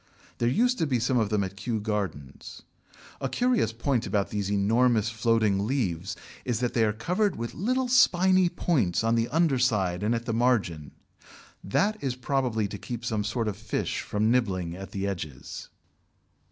There used to be some of them at Kew Gardens. A curious point about these enormous floating leaves is that they are covered with little spiny points on the under side and at the margin; that is probably to keep some sort of fish from nibbling at the edges.